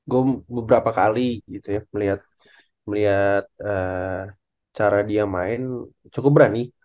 gue beberapa kali gitu ya melihat cara dia main cukup berani